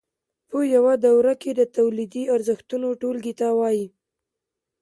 په یوه دوره کې د تولیدي ارزښتونو ټولګې ته وایي